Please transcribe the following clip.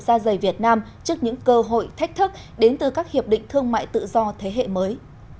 gia dày việt nam trước những cơ hội thách thức đến từ các hiệp định thương mại tự do thế hệ mới